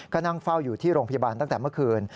ก็นั่งเฝ้าอยู่ที่โรงพยาบาลตั้งแต่เมื่อคืน